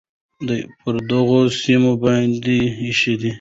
پر دغو سیمو باندې ایښی،